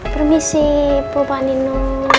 permisi bapak nino